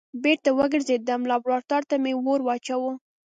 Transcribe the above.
بېرته وګرځېدم لابراتوار ته مې اور واچوه.